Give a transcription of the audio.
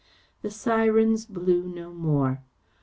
The sirens blew no more.